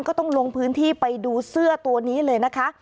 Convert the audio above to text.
ก็ต้องลงพื้นที่ไปดูเสื้อตัวนี้เลยนะคะ